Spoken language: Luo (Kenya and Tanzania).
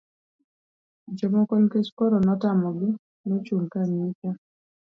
jomoko nikech koro notamogi, nochung' ka ng'icho